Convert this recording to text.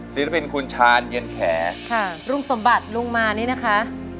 ศิลปินคุณชาญเย็นแขค่ะลุงสมบัติลุงมานี่นะคะ